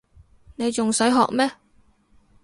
你仲使學咩